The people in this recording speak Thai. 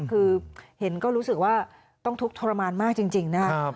คือเห็นก็รู้สึกว่าต้องทุกข์ทรมานมากจริงนะครับ